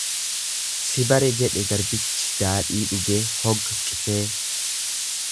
"""Si bare"" jedhe garbichi daadhii dhugee hoogqisee."